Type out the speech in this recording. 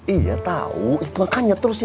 iya teh makanya itu terusi